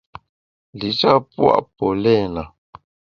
Li-sha pua’ polena.